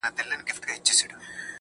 خټي کوم~